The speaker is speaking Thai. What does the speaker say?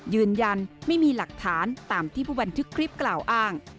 ยืนยันไม่มีหลักฐานตามที่ผู้บันทึกคลิปกล่าวอ้าง